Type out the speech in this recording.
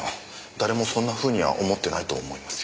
誰もそんなふうには思ってないと思いますよ。